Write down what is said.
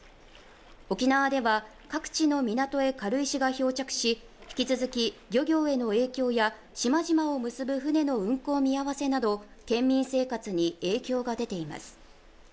沖縄では各地の港へ軽石が漂着し引き続き漁業への影響や島々を結ぶ船の運航見合わせなど県民生活に影響が出ています